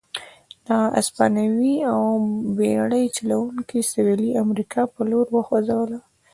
دغه هسپانوي او بېړۍ چلوونکي سوېلي امریکا په لور وخوځوله.